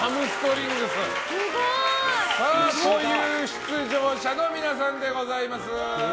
出場者の皆さんでございます。